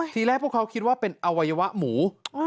ทีแรกพวกเขาคิดว่าเป็นอวัยวะหมู